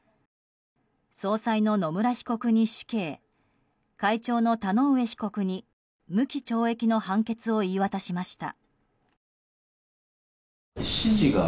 総裁の野村被告に死刑会長の田上被告に無期懲役の判決を言い渡しました。